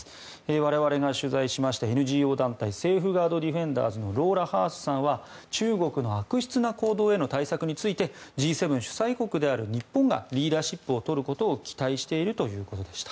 我々が取材しましたＮＧＯ団体、セーフガード・ディフェンダーズのローラ・ハースさんは中国の悪質な行動への対策についてＧ７主催国である日本がリーダーシップをとることを期待しているということです。